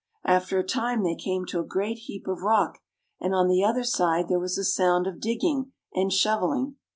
After a time they came to a great heap of rock, and on the other side there was a sound of digging and shoveling.